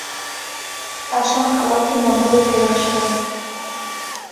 پاشان خەڵاتی نۆبێلی پێ بەخشرا